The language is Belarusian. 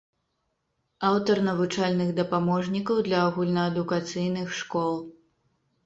Аўтар навучальных дапаможнікаў для агульнаадукацыйных школ.